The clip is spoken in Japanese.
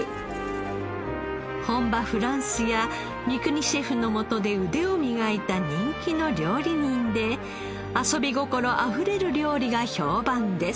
本場フランスや三國シェフの下で腕を磨いた人気の料理人で遊び心あふれる料理が評判です。